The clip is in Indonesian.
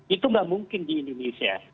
itu nggak mungkin di indonesia